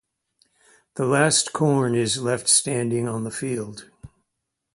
The last corn is left standing on the field.